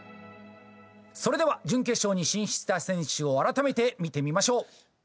それでは、準決勝に進出した選手を改めて見てみましょう。